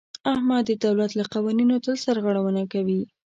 احمد د دولت له قوانینو تل سرغړونه کوي.